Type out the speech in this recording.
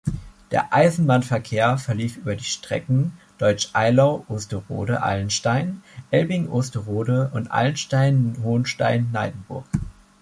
Der Eisenbahnverkehr verlief über die Strecken Deutsch Eylau–Osterode–Allenstein, Elbing–Osterode und Allenstein–Hohenstein–Neidenburg.